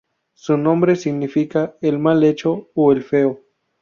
Su nombre significa ‘el mal hecho’ o ‘el feo’.